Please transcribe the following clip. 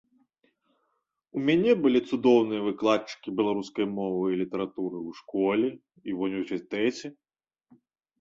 У мяне былі цудоўныя выкладчыкі беларускай мовы і літаратуры ў школе і ва ўніверсітэце.